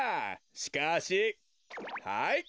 しかしはい。